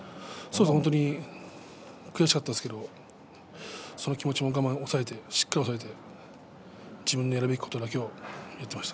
本当に悔しかったですけれどもその気持ちも抑えてしっかり押さえて自分のやるべきことだけをやっていました。